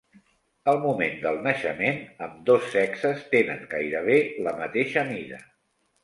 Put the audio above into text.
Al moment del naixement ambdós sexes tenen gairebé la mateixa mida.